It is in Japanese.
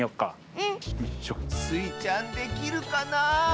うん。スイちゃんできるかなあ？